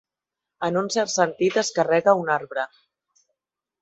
En un cert sentit, es carrega un arbre.